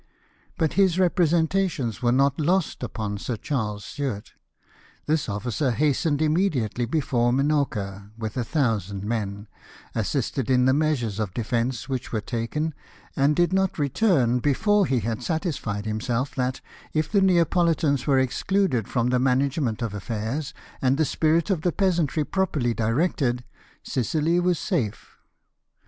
" But his representations were not lost upon Sir Charles Stuart. This officer hastened immediately before Minorca, with a thousand men, assisted in the measures of defence which were taken, and did not return before he had satisfied himself that, if the Neapohtans were excluded from the management of affairs, and the spirit of the peasantry properly directed, Sicily was safe.